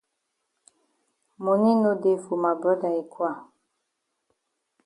Moni no dey for ma broda yi kwa.